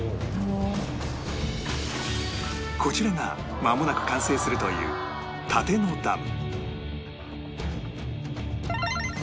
こちらがまもなく完成するというこの日は